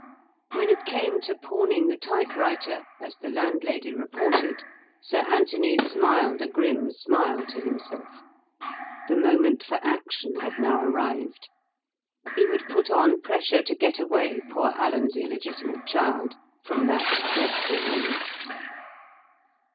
When it came to pawning the type writer, as the landlady reported, Sir Anthony smiled a grim smile to himself. The moment for action had now arrived. He would put on pressure to get away poor Alan's illegitimate child from that dreadful woman.